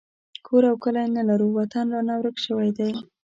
کور او کلی نه لرو وطن رانه ورک شوی دی